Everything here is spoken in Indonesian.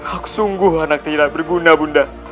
hak sungguh anak tidak berguna bunda